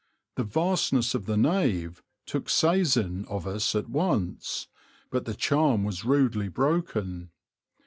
The vastness of the nave took seisin of us at once; but the charm was rudely broken.